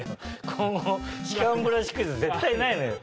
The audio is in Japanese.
今後歯間ブラシクイズ絶対ないのよ。